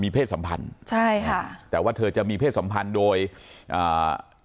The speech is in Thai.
เพศสัมพันธ์ใช่ค่ะแต่ว่าเธอจะมีเพศสัมพันธ์โดยอ่า